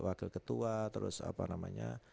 wakil ketua terus apa namanya